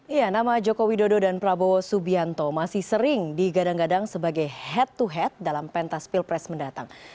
ya nama joko widodo dan prabowo subianto masih sering digadang gadang sebagai head to head dalam pentas pilpres mendatang